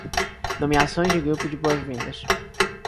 Nomeações de grupo de boas-vindas